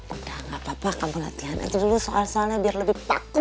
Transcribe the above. udah gak apa apa kamu latihan itu dulu soal soalnya biar lebih patuh